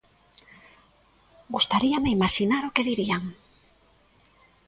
Gustaríame imaxinar o que dirían.